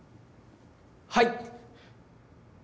はい！